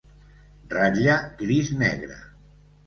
Ratlla gris-negre.